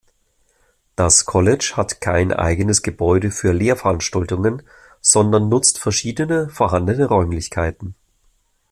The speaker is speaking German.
Das College hat kein eigenes Gebäude für Lehrveranstaltungen, sondern nutzt verschiedene vorhandene Räumlichkeiten.